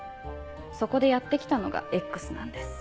そこでやって来たのがＸなんです。